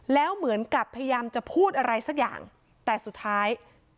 แล้วเหมือนกับพยายามจะพูดอะไรสักอย่างแต่สุดท้าย